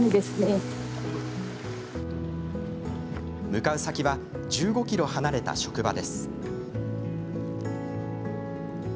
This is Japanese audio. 向かう先は１５ｋｍ離れた職場です。